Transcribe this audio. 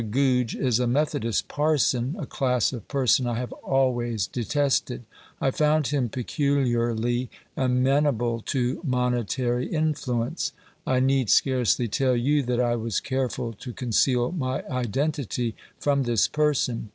Goodge is a Methodist parson a class of person I have always detested. I found him peculiarly amenable to monetary influence. I need scarcely tell you that I was careful to conceal my identity from this person.